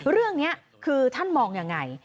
เรื่องนี้คือท่านมองยังไง